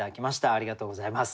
ありがとうございます。